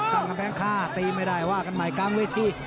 ต่างกันแปลงค่าตีไม่ได้ว่ากันใหม่กลางเวที